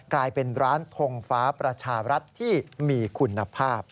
กลายเป็นร้านทงฟ้าประชารัฐที่มีคุณภาพ